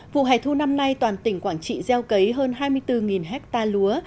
vụ hẻ thu năm nay toàn tỉnh quảng trị gieo cấy hơn hai mươi bốn ha lúa